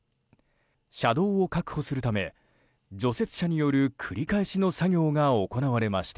車道を確保するため除雪車による繰り返しの作業が行われました。